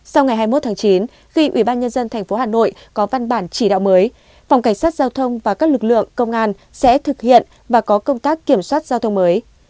sau ngày hai mươi một tháng chín khi ủy ban nhân dân tp hà nội có văn bản chỉ đạo mới phòng cảnh sát giao thông và các lực lượng công an sẽ thực hiện và có công tác kiểm soát giao thông mới